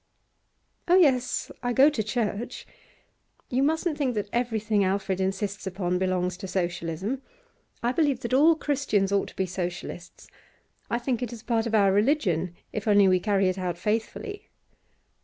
'Oh yes, I go to church. You mustn't think that everything Alfred insists upon belongs to Socialism. I believe that all Christians ought to be Socialists; I think it is part of our religion, if only we carry it out faithfully.